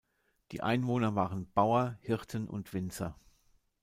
Die Einwohner waren Bauer, Hirten und Winzer.